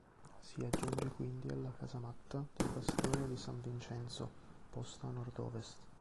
Si giunge quindi alla casamatta del bastione di San Vincenzo, posta a nord-ovest.